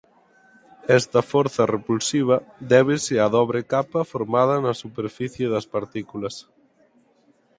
Esta forza repulsiva débese á dobre capa formada na superficie das partículas.